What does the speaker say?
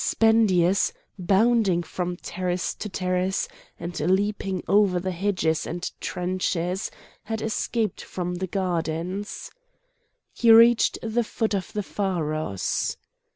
Spendius, bounding from terrace to terrace, and leaping over the hedges and trenches, had escaped from the gardens. He reached the foot of the pharos.